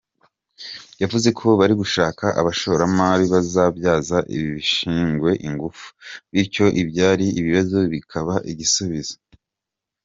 Yavuze ko bari gushaka abashoramari bazabyaza ibi bishingwe ingufu, bityo ibyari ikibazo bikaba igisubizo.